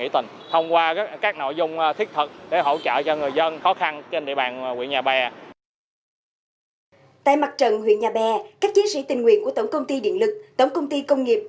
tại mặt trận huyện nhà bè các chiến sĩ tình nguyện của tổng công ty điện lực tổng công ty công nghiệp